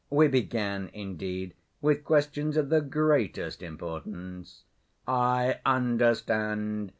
We began, indeed, with questions of the greatest importance." "I understand.